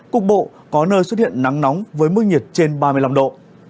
cục bộ có nơi xuất hiện nắng nóng với mức nhiệt trên ba mươi năm độ